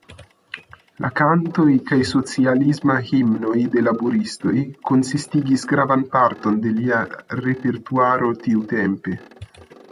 La kantoj kaj socialismaj himnoj de laboristoj konsistigis gravan parton de lia repertuaro tiutempe.